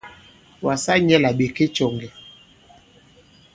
Wàsa nyɛ̄ là ɓè ke cɔ̀ŋgɛ̀.